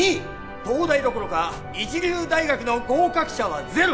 東大どころか一流大学の合格者はゼロ！